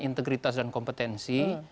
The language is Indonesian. integritas dan kompetensi